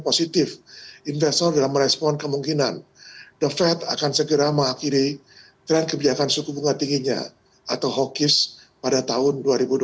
positif investor dalam merespon kemungkinan the fed akan segera mengakhiri tren kebijakan suku bunga tingginya atau hawkish pada tahun dua ribu dua puluh